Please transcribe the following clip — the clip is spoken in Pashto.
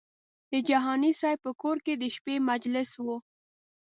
د جهاني صاحب په کور کې د شپې مجلس و.